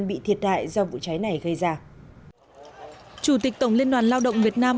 bị thiệt hại do vụ cháy này gây ra chủ tịch tổng liên đoàn lao động việt nam